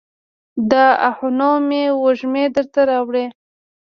د آهونو مې وږمې درته راوړي